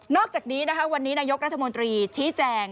อกจากนี้นะคะวันนี้นายกรัฐมนตรีชี้แจง